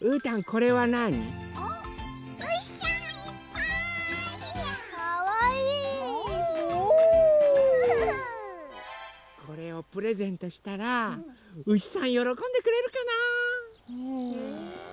これをプレゼントしたらうしさんよろこんでくれるかな？